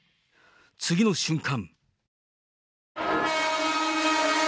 次の瞬間。